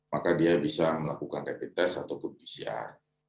maka dia bisa melakukan rapid test ataupun pcr